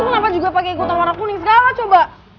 lo kenapa juga pake ikutan warna kuning segala coba